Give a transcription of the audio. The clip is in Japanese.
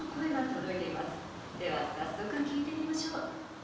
「では早速聴いてみましょう」